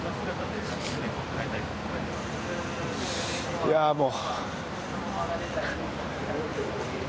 いや、もう。